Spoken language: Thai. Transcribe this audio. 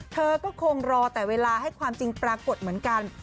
เธอก็คงรอแต่เวลาให้ความจริงปรากฏเหมือนกัน